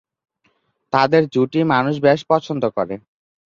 তাদের জুটি মানুষ বেশ পছন্দ করে।